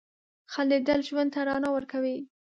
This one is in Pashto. • خندېدل ژوند ته رڼا ورکوي.